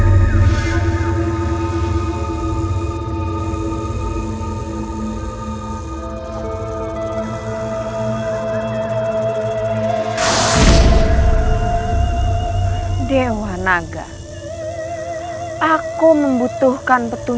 aku sudah mempunyai kekuatan dewa